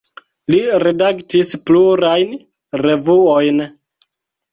Li redaktis plurajn revuojn.